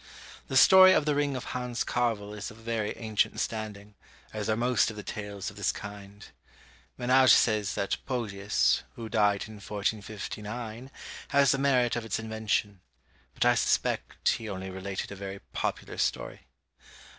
The story of the ring of Hans Carvel is of very ancient standing, as are most of the tales of this kind. Menage says that Poggius, who died in 1459, has the merit of its invention; but I suspect he only related a very popular story.